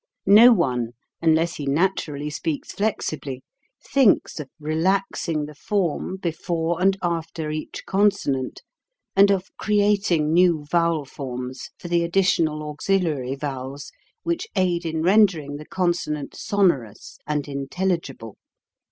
No one, unless he naturally speaks flexibly, thinks of relaxing the form before and after each consonant and of creating new vowel forms for the additional auxiliary vowels which aid in rendering the consonant sonorous and in telligible.